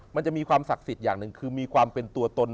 มันจะมีความศักดิ์สิทธิ์อย่างหนึ่งคือมีความเป็นตัวตน